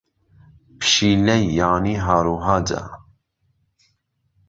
پشیلەی یانی ھاروھاجە.